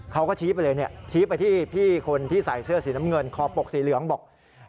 เขาก็ชี้ไปเลยเนี่ยชี้ไปที่พี่คนที่ใส่เสื้อสีน้ำเงินคอปกสีเหลืองบอก